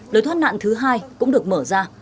lối thoát nạn thứ hai cũng được mở ra